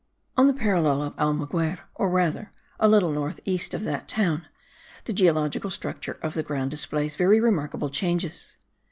On the parallel of Almaguer, or rather a little north east of that town, the geological structure of the ground displays very remarkable changes.